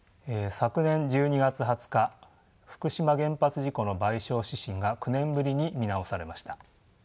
昨年１２月２０日福島原発事故の賠償指針が９年ぶりに見直されました。